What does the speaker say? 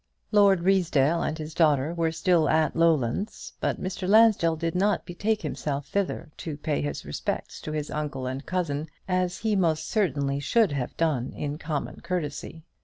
Lord Ruysdale and his daughter were still at Lowlands; but Mr. Lansdell did not betake himself thither to pay his respects to his uncle and cousin, as he should most certainly have done in common courtesy.